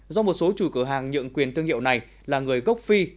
do một số chủ cửa hàng nhượng quyền thương hiệu này là người gốc phi